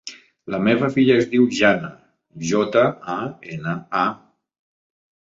La meva filla es diu Jana: jota, a, ena, a.